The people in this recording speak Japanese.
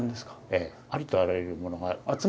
ええありとあらゆるものが。